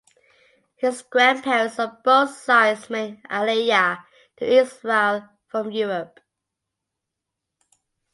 His grandparents on both sides made Aliyah to Israel from Europe.